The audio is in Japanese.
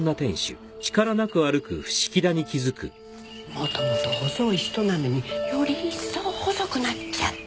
もともと細い人なのにより一層細くなっちゃって。